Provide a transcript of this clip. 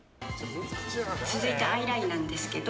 続いてアイラインなんですけど